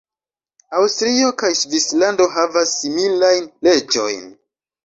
Aŭstrio kaj Svislando havas similajn leĝojn.